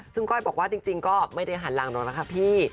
ซึ่งก้อยบอกว่าจริงก็ไม่ได้หันหลังหรอกนะคะพี่